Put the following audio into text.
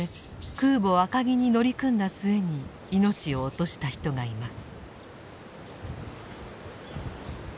空母赤城に乗り組んだ末に命を落とした人がいます。